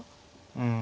うん。